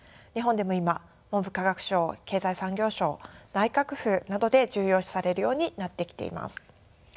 日本でも今文部科学省経済産業省内閣府などで重要視されるようになってきています。